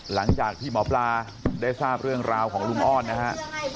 หลังจากที่หมอปลาได้ทราบเรื่องราวของลุงอ้อนนะฮะ